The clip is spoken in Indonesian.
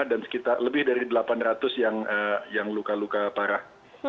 dan sekitar lebih dari delapan ratus yang luka luka parah